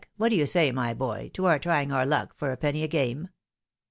what do you say, my boy, to our trying our luck for a penny a game?